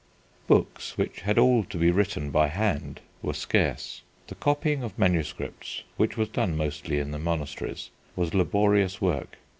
Books, which had all to be written by hand, were scarce. The copying of manuscripts, which was done mostly in the monasteries, was laborious work.